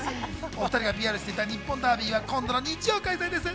お２人がＰＲしていた日本ダービーは今度の日曜開催です。